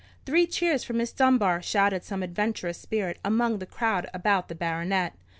"Three cheers for Miss Dunbar!" shouted some adventurous spirit among the crowd about the baronet.